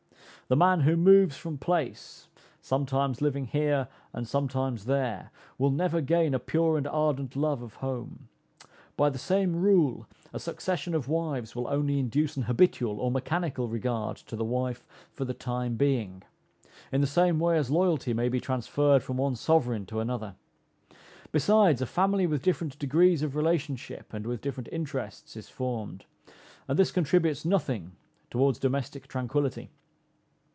The man who moves from place, sometimes living here and sometimes there, will never gain a pure and ardent love of home; by the same rule, a succession of wives will only induce an habitual or mechanical regard to the wife for the time being; in the same way as loyalty may be transferred from one sovereign to another. Besides, a family with different degrees of relationship and with different interests is formed, and this contributes nothing towards domestic tranquillity.